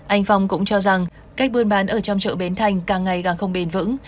anh phong cũng cho rằng cách buôn bán ở trong chợ bến thành càng ngày càng không bền vững